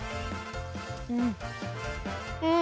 うん。